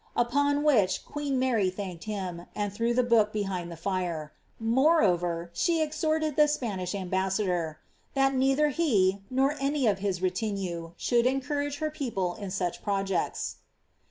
'' Upon which queen Mary thanked him, and threw the book behind the fire ; moreover, she exhorted the Spanish ambassador, ^ that neither he, nor any of his retinue, should encourage her people in such pro jects.''